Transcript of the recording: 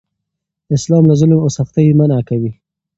اسلام له ظلم او سختۍ منع کوي.